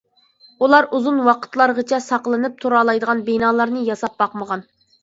ئۇلار ئۇزۇن ۋاقىتلارغىچە ساقلىنىپ تۇرالايدىغان بىنالارنى ياساپ باقمىغان.